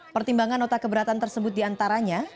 pertimbangan nota keberatan tersebut diantaranya